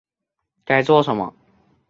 该做什么